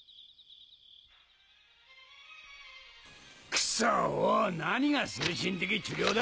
クソ何が精神的治療だ！